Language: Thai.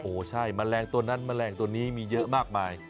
โอ้โหใช่แมลงตัวนั้นแมลงตัวนี้มีเยอะมากมาย